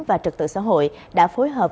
và trật tự xã hội đã phối hợp